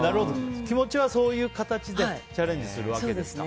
気持ちはそういう形でチャレンジするわけですか。